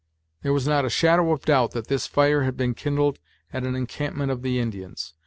There was not a shadow of doubt that this fire had been kindled at an encampment of the Indians.